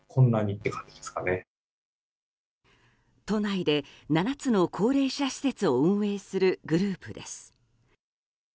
都内で７つの高齢者施設を運営するグループです。